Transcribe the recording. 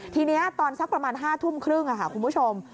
ทีนี้ตอนสักประมาณ๕ทุ่มครึ่งคุณผู้ชม